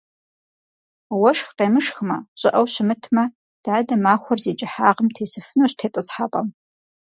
Уэшх къемышхмэ, щӀыӀэу щымытмэ, дадэ махуэр зи кӀыхьагъым тесыфынущ тетӏысхьэпӏэм.